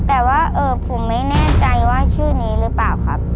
แต่ว่าผมไม่แน่ใจว่าชื่อนี้หรือเปล่าครับ